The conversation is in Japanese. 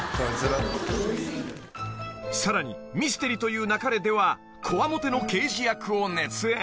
［さらに『ミステリと言う勿れ』ではこわもての刑事役を熱演］